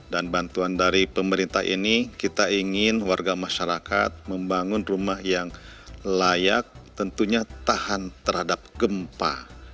dan bantuan dari pemerintah ini kita ingin warga masyarakat membangun rumah yang layak tentunya tahan terhadap gempa